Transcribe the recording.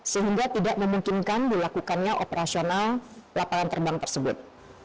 sehingga tidak memungkinkan dilakukannya operasional lapangan terbang tersebut